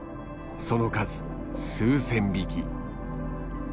その数数千匹。